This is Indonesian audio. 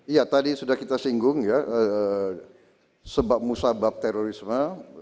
iya tadi sudah kita singgung ya sebab musabab terorisme